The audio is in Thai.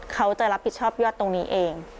เขาจะรับผิดชอบยอดตรงนี้เอง